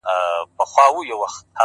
هره ورځ د ښه کېدو فرصت دی،